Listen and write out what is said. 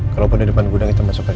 kalaupun di depan gudang kita masuk aja